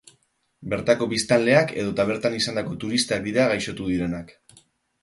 Bertako biztanleak edota bertan izandako turistak dira gaixotu direnak.